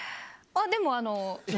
でも、あの。